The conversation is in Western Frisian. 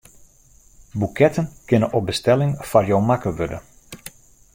Boeketten kinne op bestelling foar jo makke wurde.